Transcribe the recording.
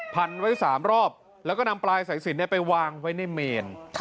พันไว้๓รอบแล้วก็นำปลายสายสินไปวางไว้ในเมน